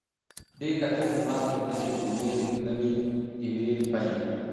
دې کتنې زما په زړه کې د امید نوې ډیوې بلې کړې.